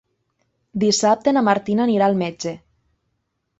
Dissabte na Martina anirà al metge.